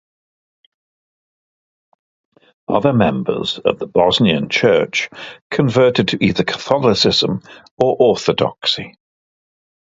Other members of the Bosnian Church converted to either Catholicism or Orthodoxy.